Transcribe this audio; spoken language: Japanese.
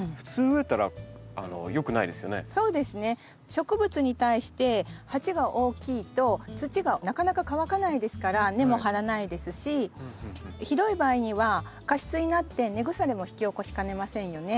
植物に対して鉢が大きいと土がなかなか乾かないですから根も張らないですしひどい場合には過湿になって根腐れも引き起こしかねませんよね。